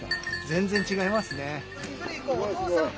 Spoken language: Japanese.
全然違いますね。